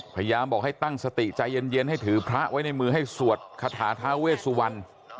พยายามบอกให้ตั้งสติใจเย็นให้ถือพระไว้ในมือให้สวดคาถาท้าเวสวรรณ